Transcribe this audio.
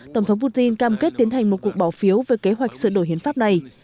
tổng thống putin cam kết tiến hành một cuộc bỏ phiếu về kế hoạch sửa đổi hiến pháp này